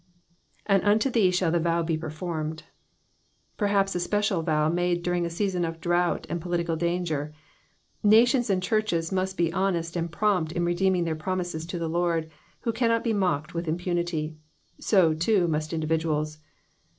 ^^And unto thee shau the vow he performed.'*^ Perhaps a special vow made during a season of drought and political danger. Nations and churches must be honest and prompt in redeeming their promises to the Lord, who cannot be mocked with impunity. So, too, must individuals.